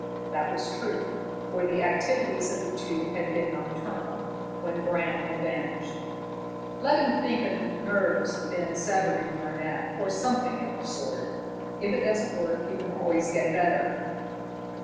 That was true, for the activities of the two had been nocturnal, when Bram had vanished. "Let him think a nerve's been severed in your neck, or something of the sort. If it doesn't work, you can always get better."